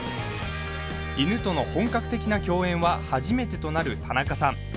犬との本格的な共演は初めてとなる田中さん。